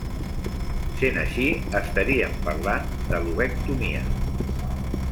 Sent així, estaríem parlant de lobectomia.